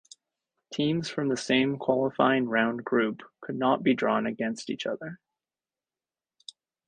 Teams from the same qualifying round group could not be drawn against each other.